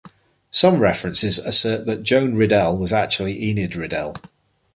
Some references assert that Joan Riddell was actually Enid Riddell.